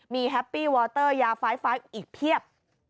มีแฮปปี้วอเตอร์ยาฟ้ายฟ้ายอีกเพียบ